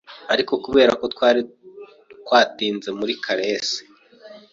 ariko kubera ko twari twatinze muri caresse